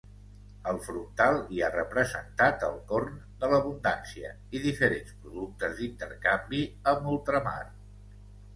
Al frontal hi ha representat el corn de l'abundància i diferents productes d'intercanvi amb ultramar.